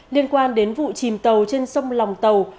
liên quan đến vụ chìm tàu trên sông lòng tàu